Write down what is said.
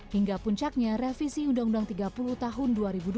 hingga puncaknya revisi undang undang tiga puluh tahun dua ribu dua